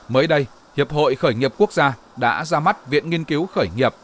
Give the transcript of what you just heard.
mới đây hiệp hội khởi nghiệp quốc gia đã ra mắt viện nghiên cứu khởi nghiệp